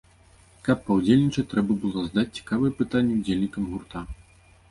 Каб паўдзельнічаць, трэба было задаць цікавае пытанне удзельнікам гурта.